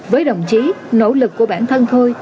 với đồng chí nỗ lực của bản thân thôi